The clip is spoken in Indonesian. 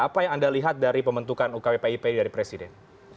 apa yang anda lihat dari pembentukan ukppip dari presiden